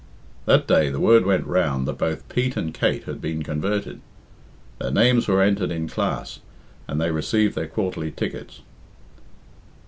That day the word went round that both Pete and Kate had been converted. Their names were entered in Class, and they received their quarterly tickets.